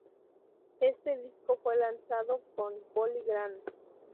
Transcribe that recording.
Este disco fue lanzado con Polygram.